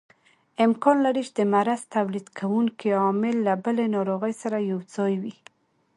امکان لري چې د مرض تولید کوونکی عامل له بلې ناروغۍ سره یوځای وي.